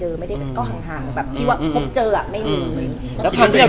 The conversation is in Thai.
เหมือนนางก็เริ่มรู้แล้วเหมือนนางก็เริ่มรู้แล้ว